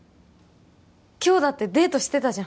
今日だってデートしてたじゃん